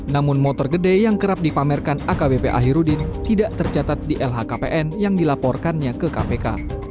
namun motor gede yang kerap dipamerkan akbp ahirudin tidak tercatat di lhkpn yang dilaporkannya ke kpk